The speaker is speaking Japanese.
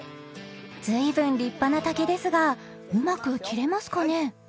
［ずいぶん立派な竹ですがうまく切れますかね？］